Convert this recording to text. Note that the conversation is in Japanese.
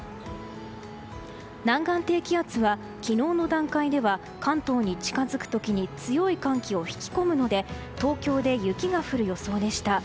南岸低気圧は昨日の段階では関東に近づく時に強い寒気を引き込むので東京で雪が降る予想でした。